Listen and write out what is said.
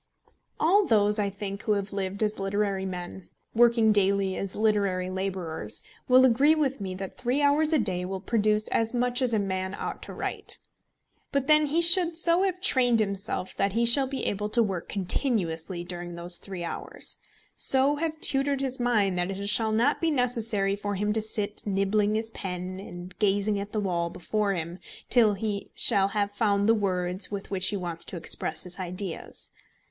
All those I think who have lived as literary men, working daily as literary labourers, will agree with me that three hours a day will produce as much as a man ought to write. But then he should so have trained himself that he shall be able to work continuously during those three hours, so have tutored his mind that it shall not be necessary for him to sit nibbling his pen, and gazing at the wall before him, till he shall have found the words with which he wants to express his ideas.